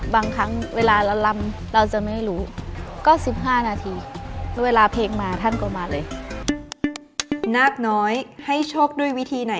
บางครั้งเวลาเราลำเราจะไม่รู้ก็๑๕นาทีเวลาเพลงมาท่านก็มาเลย